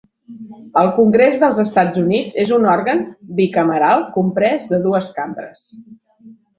El Congrés dels Estats Units és un òrgan bicameral comprès de dues cambres.